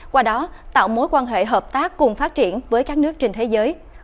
qua đó tạo mối quan hệ hợp tác cùng phát triển với các nước trên thế giới